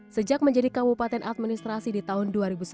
sejak menjadi kabupaten administrasi di tahun dua ribu satu